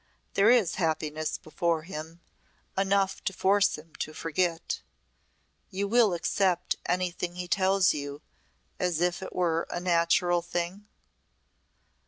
There is happiness before him enough to force him to forget. You will accept anything he tells you as if it were a natural thing?"